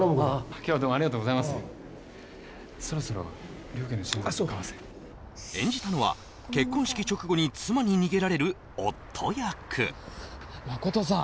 今日はどうもありがとうございますそろそろ両家のあっそうか演じたのは結婚式直後に妻に逃げられる夫役真琴さん！